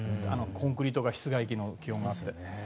コンクリート室外機の気温があって。